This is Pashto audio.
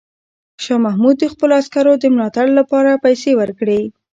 شاه محمود د خپلو عسکرو د ملاتړ لپاره پیسې ورکړې.